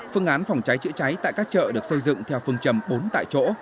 phương án phòng cháy chữa cháy tại các chợ được xây dựng theo phương trầm bốn tại chỗ